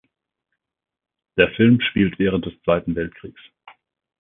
Der Film spielt während des Zweiten Weltkriegs.